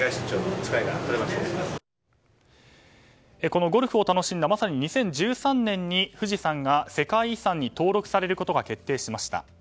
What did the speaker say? このゴルフを楽しんだまさに２０１３年に、富士山が世界遺産に登録されることが決定しました。